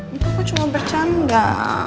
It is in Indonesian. engga aku cuma bercanda